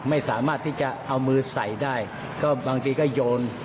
ไม่สามารถที่จะเอามือใส่ได้ก็บางทีก็โยน